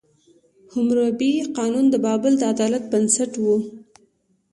حموربي قانون د بابل د عدالت بنسټ و.